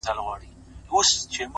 • د سترگو سرو لمبو ته دا پتنگ در اچوم،